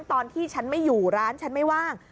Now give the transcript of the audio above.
ตอนที่ฉันไม่อยู่ร้านฉันไม่ว่าง